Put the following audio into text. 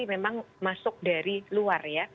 memang masuk dari luar ya